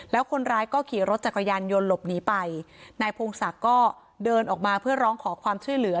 แล้วคนร้ายก็ขี่รถจักรยานยนต์หลบหนีไปนายพงศักดิ์ก็เดินออกมาเพื่อร้องขอความช่วยเหลือ